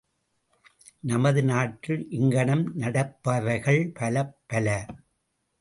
நமது நாட்டில் இங்ஙனம் நடப்பவைகள் பலப்பல!